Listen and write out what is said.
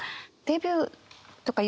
デビューというか